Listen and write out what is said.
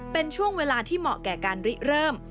เป็นช่วงเวลาที่เหมาะแก่การริเริ่ม